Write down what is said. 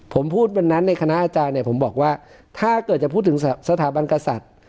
ผมพูดวันนั้นในคณะอาจารย์เนี่ยผมบอกว่าถ้าเกิดจะพูดถึงสถาบันกษัตริย์